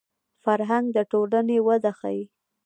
فرهنګ د ټولنې وده ښيي